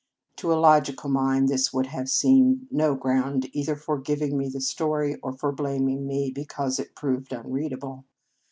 To a logical mind this would have seemed no ground either for giv ing me the story, or for blaming me because it proved unreadable.